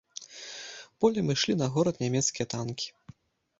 Полем ішлі на горад нямецкія танкі.